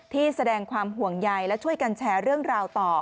แสดงความห่วงใยและช่วยกันแชร์เรื่องราวต่อ